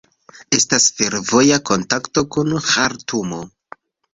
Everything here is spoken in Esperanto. Estas fervoja kontakto kun Ĥartumo.